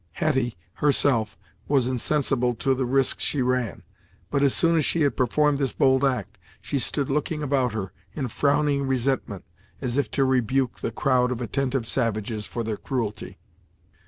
Hetty, herself, was insensible to the risk she ran, but, as soon as she had performed this bold act, she stood looking about her, in frowning resentment, as if to rebuke the crowd of attentive savages for their cruelty.